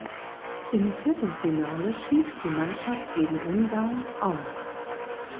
Im Viertelfinale schied die Mannschaft gegen Ungarn aus.